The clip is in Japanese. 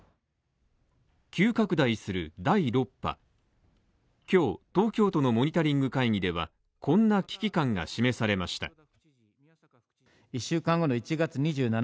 急拡大する第６波今日、東京都のモニタリング会議ではこんな危機感が示されました。